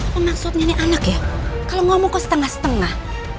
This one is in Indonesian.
aku maksudnya ini anak ya kalau ngomong kok setengah setengah